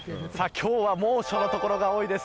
今日は猛暑の所が多いです。